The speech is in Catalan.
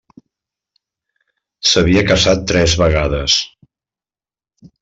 S'havia casat tres vegades.